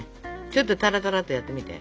ちょっとタラタラっとやってみて。